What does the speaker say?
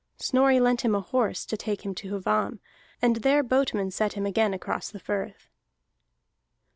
Snorri lent him a horse to take him to Hvamm, and there boatmen set him again across the firth.